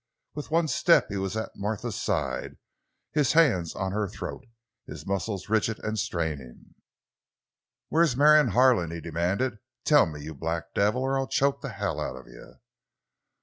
With one step he was at Martha's side, his hands on her throat, his muscles rigid and straining. "Where's Marion Harlan?" he demanded. "Tell me, you black devil, or I'll choke hell out of you!"